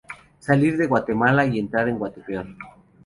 Salir de Guatemala y entrar en Guatepeor